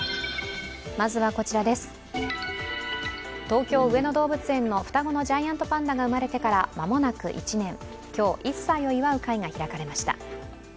東京・上野動物園の双子のジャイアントパンダが生まれてから間もなく１年、今日、１歳を祝う会が開かれました。